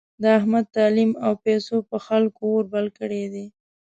د احمد تعلیم او پیسو په خلکو اور بل کړی دی.